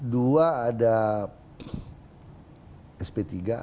dua ada sp tiga